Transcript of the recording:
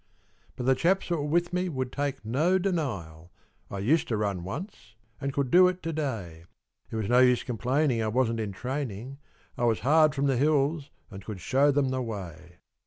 But the chaps that were with me would take no denial I used to run once and could do it to day; It was no use complaining I wasn't in training, I was hard from the hills and could show them the way.